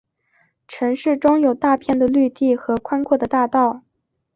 城市中有大片的绿地和宽阔的大道。